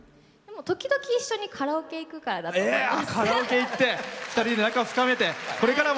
時々、一緒にカラオケ行くからだと思います。